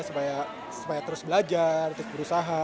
supaya terus belajar terus berusaha